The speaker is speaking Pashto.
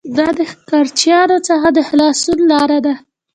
دا د ښکارچیانو څخه د خلاصون لاره ده